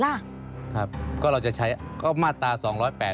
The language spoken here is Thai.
อันดับที่สุดท้าย